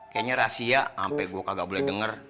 kayaknya rahasia sampai gue kagak boleh denger